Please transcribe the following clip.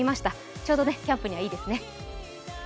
ちょうどキャンプにはいいですね。